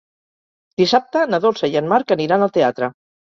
Dissabte na Dolça i en Marc aniran al teatre.